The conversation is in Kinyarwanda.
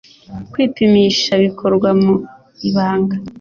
kwipimisha bikorwa mu ibanga